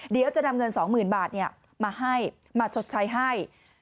เดี๋ยวจะนำเงิน๒๐๐๐บาทมาให้มาชดใช้ให้